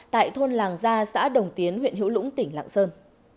tại thôn làng gia xã đồng tiến huyện hữu lũng tỉnh lạng sơn